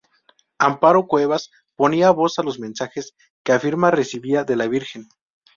Amparo Cuevas ponía voz a los mensajes que afirma recibía de la Virgen.